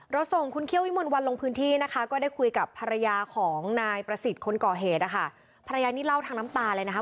ส่งคุณเคี่ยววิมลวันลงพื้นที่นะคะก็ได้คุยกับภรรยาของนายประสิทธิ์คนก่อเหตุนะคะภรรยานี่เล่าทางน้ำตาเลยนะคะ